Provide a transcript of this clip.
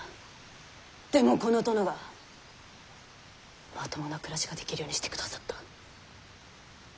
でもこの殿がまともな暮らしができるようにしてくださった。